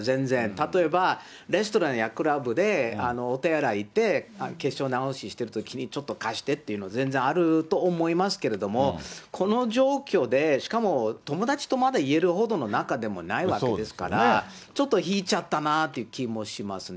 例えばレストランやクラブでお手洗い行って、化粧直ししてるときにちょっと貸してっていうの、全然あると思いますけれども、この状況で、しかも友達とも言えるほどの仲でもないわけですから、ちょっと引いちゃったなという気もしますね。